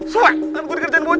suet tangan gue dikerjain bocah